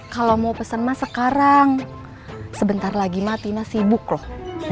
kalau mau pesan mas sekarang sebentar lagi mati masih bukroh